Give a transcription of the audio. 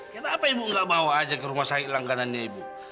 kenapa ibu gak bawa aja ke rumah saya langganannya ibu